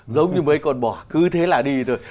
giống như mấy con bỏ cứ thế là đi thôi